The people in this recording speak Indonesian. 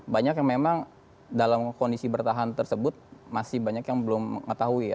banyak yang memang dalam kondisi bertahan tersebut masih banyak yang belum mengetahui ya